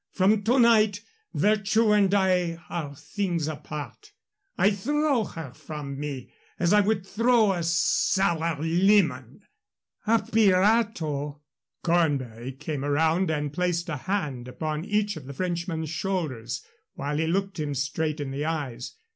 From to night virtue and I are things apart. I throw her from me as I would throw a sour lemon." "A pirato!" Cornbury came around and placed a hand upon each of the Frenchman's shoulders, while he looked him straight in the eyes.